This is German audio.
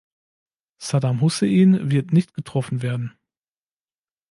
Saddam Hussein wird nicht getroffen werden.